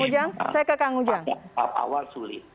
jadi awal awal sulit